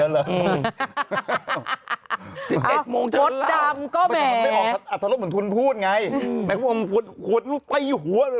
อะโดดดำก็แหมอัศรบินทุนพูดไงแมกค์โมงพูดหัวตี้หัวอุ้ย